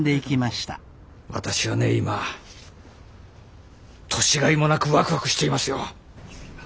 私はね今年がいもなくワクワクしていますよ。